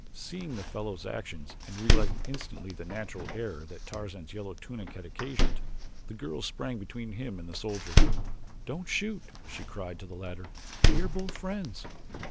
Seeing the fellow's actions and realizing instantly the natural error that Tarzan's yellow tunic had occasioned the girl sprang between him and the soldier. "Don't shoot," she cried to the latter, "we are both friends."